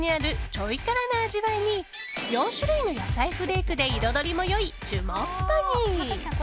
ちょい辛な味わいに４種類の野菜フレークで彩りも良いチュモッパに。